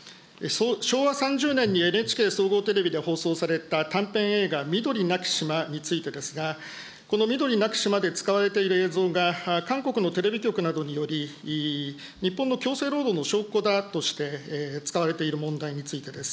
昭和３０年にＮＨＫ総合テレビで放送された短編映画、緑なき島についてですが、この緑なき島で使われている映像が、韓国のテレビ局などにより、日本の強制労働の証拠だとして使われている問題についてです。